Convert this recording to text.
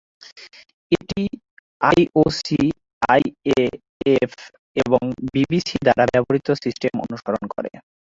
এটি IOC, IAAF এবং BBC দ্বারা ব্যবহৃত সিস্টেম অনুসরণ করে।